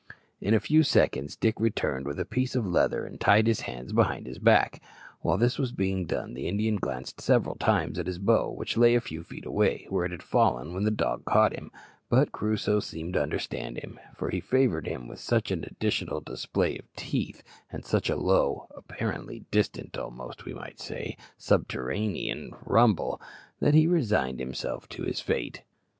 In a few seconds Dick returned with a piece of leather and tied his hands behind his back. While this was being done the Indian glanced several times at his bow, which lay a few feet away, where it had fallen when the dog caught him; but Crusoe seemed to understand him, for he favoured him with such an additional display of teeth, and such a low apparently distant, almost, we might say, subterranean rumble, that he resigned himself to his fate.